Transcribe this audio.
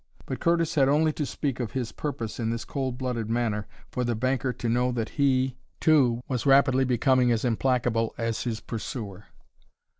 But Curtis had only to speak of his purpose in this cold blooded manner for the banker to know that he, too, was rapidly becoming as implacable as his pursuer.